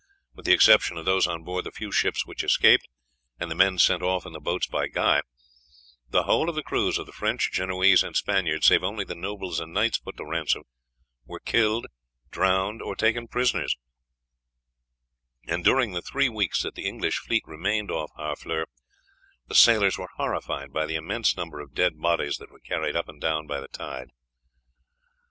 With the exception of those on board the few ships which escaped, and the men sent off in the boats by Guy, the whole of the crews of the French, Genoese, and Spaniards, save only the nobles and knights put to ransom, were killed, drowned, or taken prisoners, and during the three weeks that the English fleet remained off Harfleur, the sailors were horrified by the immense number of dead bodies that were carried up and down by the tide.